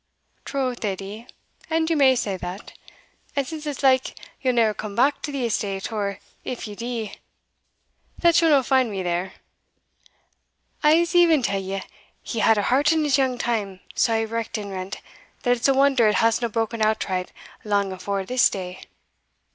"Troth, Edie, and ye may say that and since it's like yell neer come back to the estate, or, if ye dee, that ye'll no find me there, I'se e'en tell you he had a heart in his young time sae wrecked and rent, that it's a wonder it hasna broken outright lang afore this day."